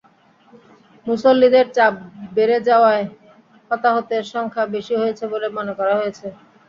মুসল্লিদের চাপ বেড়ে যাওয়ায় হতাহতের সংখ্যা বেশি হয়েছে বলে মনে করা হচ্ছে।